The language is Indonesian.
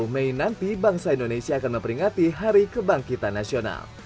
dua puluh mei nanti bangsa indonesia akan memperingati hari kebangkitan nasional